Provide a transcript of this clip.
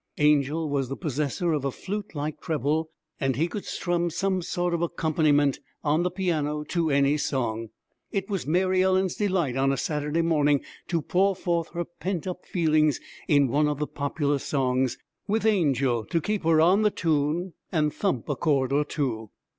Angel was the possessor of a flute like treble, and he could strum some sort of accompaniment on the piano to any song. It was Mary Ellen's delight on a Saturday morning to pour forth her pent up feelings in one of the popular songs, with Angel to keep her on the tune and thump a chord or two.